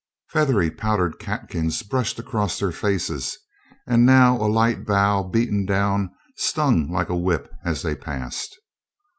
Feathery, powdered catkins brushed across their faces and now a light bough beaten down stung like a whip as they passed.